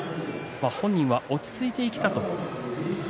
本人は落ち着いてきたと。